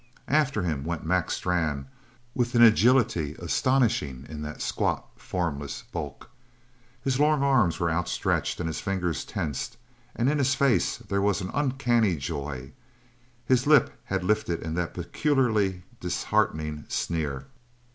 After him went Mac Strann with an agility astonishing in that squat, formless bulk. His long arms were outstretched and his fingers tensed, and in his face there was an uncanny joy; his lip had lifted in that peculiarly disheartening sneer.